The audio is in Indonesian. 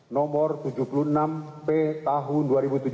nomor tujuh puluh enam p tahun dua ribu tujuh belas